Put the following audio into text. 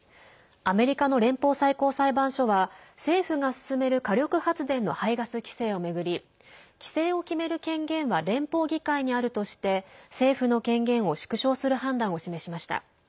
アメリカの連邦最高裁判所は政府が進める火力発電の排ガス規制を巡り規制を決める権限は連邦議会にあるとして政府の権限を縮小する判断を示しました。